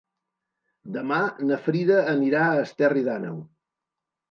Demà na Frida anirà a Esterri d'Àneu.